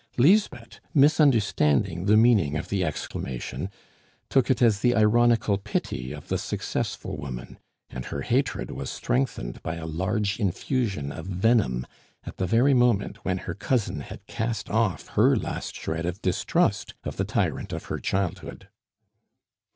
Lisbeth, misunderstanding the meaning of the exclamation, took it as the ironical pity of the successful woman, and her hatred was strengthened by a large infusion of venom at the very moment when her cousin had cast off her last shred of distrust of the tyrant of her childhood.